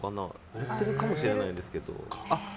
やってるかもしれないですけど。